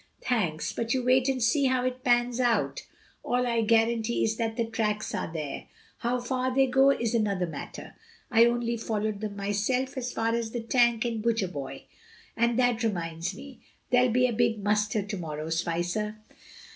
"Thanks; but you wait and see how it pans out. All I guarantee is that the tracks are there; how far they go is another matter. I only followed them myself as far as the tank in Butcher boy. And that reminds me: there'll be a big muster to morrow, Spicer.